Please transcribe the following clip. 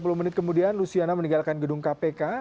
berselang tiga puluh menit kemudian luciana meninggalkan gedung kpk